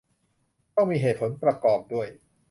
ต้องมีเหตุผลประกอบด้วย